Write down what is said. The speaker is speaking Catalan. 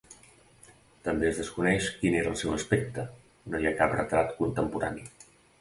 També es desconeix quin era el seu aspecte, no hi ha cap retrat contemporani.